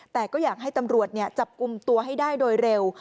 แต่ก็อยากให้ตำรวจจับกลุ่มตัวให้ได้โดยเร็ว